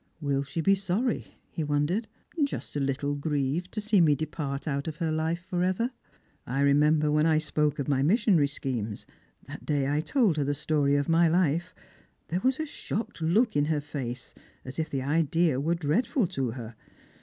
" Will she be sorry ?" he wondered, " just a little grieved to see me depart out of her life for ever? I remember when I Bpoke of my missionary schemes, that day I told her the story of my life, there was a shocked look iu her face, as if the idea were dreadful to her.